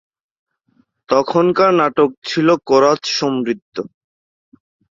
তখনকার নাটক ছিল কোরাস সমৃদ্ধ।